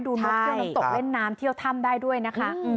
นกเที่ยวน้ำตกเล่นน้ำเที่ยวถ้ำได้ด้วยนะคะ